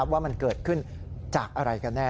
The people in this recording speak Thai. ว่ามันเกิดขึ้นจากอะไรกันแน่